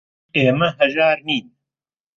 ئێمە هەژار نین.